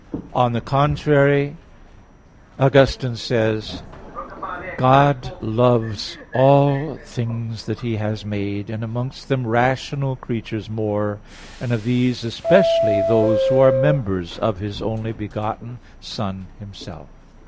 On the contrary, Augustine says (Tract. in Joan. cx): "God loves all things that He has made, and amongst them rational creatures more, and of these especially those who are members of His only begotten Son Himself."